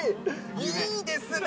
いいですね。